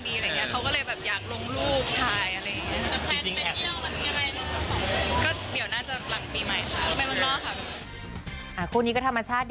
ไปกินยาวราชที่โรงรูปล่าสุด